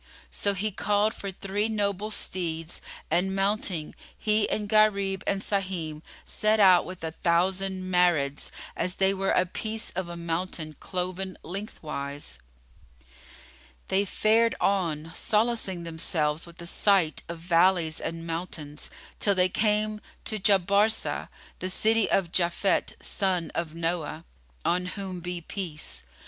So he called for three noble steeds and mounting, he and Gharib and Sahim, set out with a thousand Marids, as they were a piece of a mountain cloven lengthwise. They fared on, solacing themselves with the sight of valleys and mountains, till they came to Jabarsá,[FN#32] the city of Japhet son of Noah (on whom be peace!)